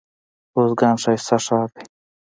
روزګان ښايسته ښار دئ.